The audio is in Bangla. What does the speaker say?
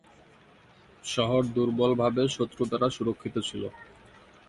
শহর দুর্বল ভাবে শত্রু দ্বারা সুরক্ষিত ছিল।